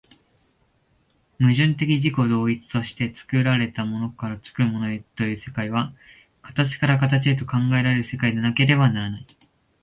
矛盾的自己同一として作られたものから作るものへという世界は、形から形へと考えられる世界でなければならない。